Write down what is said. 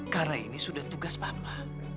karena ini sudah tugas papa